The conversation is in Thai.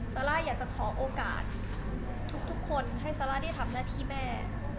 ซาร่าอยากจะขอโอกาสทุกคนให้ซาร่าได้ทำหน้าที่แม่